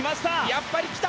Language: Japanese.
やっぱり来た。